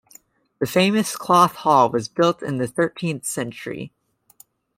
The famous Cloth Hall was built in the thirteenth century.